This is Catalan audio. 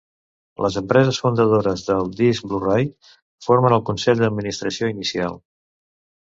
Les empreses fundadors del disc Blu-Ray formen el Consell d'administració inicial.